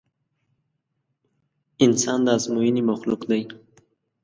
انسان د ازموينې مخلوق دی.